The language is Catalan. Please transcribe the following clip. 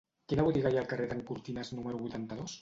Quina botiga hi ha al carrer d'en Cortines número vuitanta-dos?